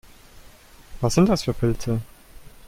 Was sind das für Pilze?